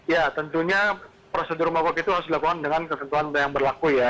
ya tentunya prosedur mogok itu harus dilakukan dengan ketentuan yang berlaku ya